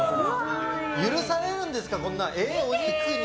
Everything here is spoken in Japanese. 許されるんですか、こんなの！お肉に。